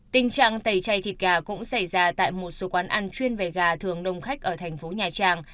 tình trạng tẩy chay thịt gà cũng xảy ra tại một số quán ăn chuyên về gà thường đông khách ở thành phố nhà trang